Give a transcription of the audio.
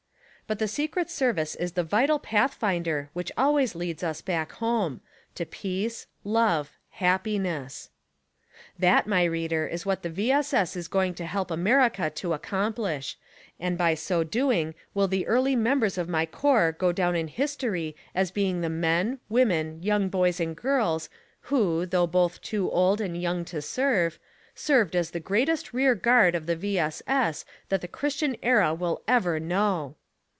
But the Secret Service is the vital path finder which ahvays leads us back home; to peace, love — happiness. That, m.y reader, is what the V. S. S. is going to help America to accom plish ; and by so doing will the early members of my corps go down in history as being the Men, Women, Young Boys and Girls who, though both too old and young to serve, served as the greatest rear guard of the V. S. S. that tlie christian era will ever know.